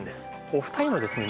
お二人のですね